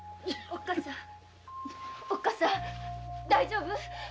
おっ母さん大丈夫？